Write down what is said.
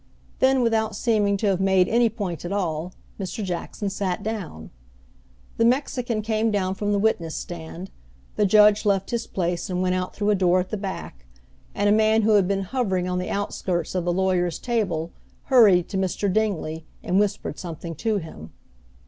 Then, without seeming to have made any point at all, Mr. Jackson sat down; the Mexican came down from the witness stand, the judge left his place and went out through a door at the back, and a man who had been hovering on the outskirts of the lawyers' table, hurried to Mr. Dingley, and whispered something to him.